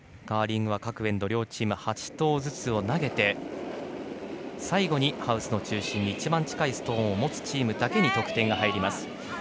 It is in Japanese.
カーリングは各エンド、両チーム８投ずつを投げて最後にハウスの中心に一番近いストーンを持つチームだけに得点が入ります。